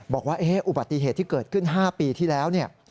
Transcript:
บอกว่าอุบัติเหตุที่เกิดขึ้น๕ปีที่แล้วเนี่ย